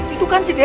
itu kan cedede